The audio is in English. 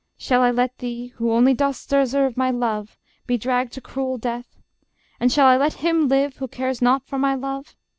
Shall I let thee, Who only dost deserve my love, be dragged To cruel death? And shall I let him live Who cares not for my love?